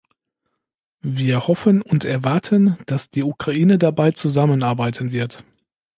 Wir hoffen und erwarten, dass die Ukraine dabei zusammenarbeiten wird.